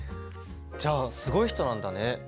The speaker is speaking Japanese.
じゃあすごい人なんだね。